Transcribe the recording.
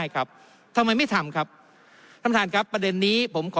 ผ่านคณะกรรมศาลกรรม